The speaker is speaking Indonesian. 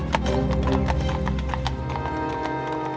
kau tidak berani